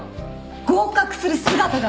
合格する姿が。